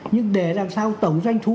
nhưng để làm sao tổng doanh thu